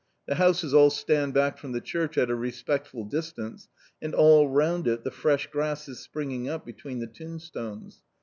The houses all stand back from the church at a respectful distance, and all round it the fresh grass is springing up, between the tombstones.